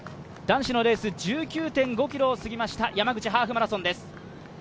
男子のレース、１９．５ｋｍを過ぎました山口ハーフマラソンです。